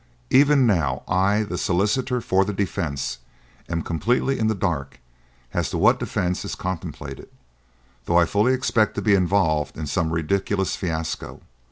Even now, I the solicitor for the defence am completely in the dark as to what defence is contemplated, though I fully expect to be involved in some ridiculous fiasco.